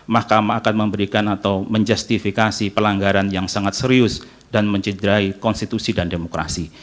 mahkamah akan memberikan atau menjustifikasi pelanggaran yang sangat serius dan mencederai konstitusi dan demokrasi